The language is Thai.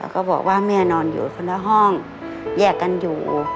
ก็บอกว่าแม่นอนอยู่คนละห้องแยกกันอยู่